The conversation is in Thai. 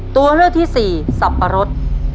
ตัวเลือกที่สี่สับปะรด